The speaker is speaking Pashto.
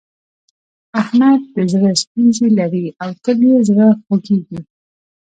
احمد د زړه ستونزې لري او تل يې زړه خوږېږي.